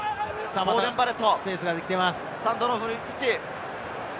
スペースができています。